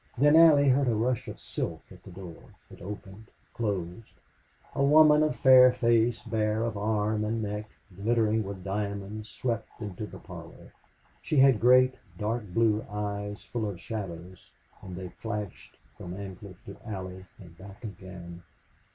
Then Allie heard a rush of silk at the door. It opened closed. A woman of fair face, bare of arm and neck, glittering with diamonds, swept into the parlor. She had great, dark blue eyes full of shadows and they flashed from Ancliffe to Allie and back again.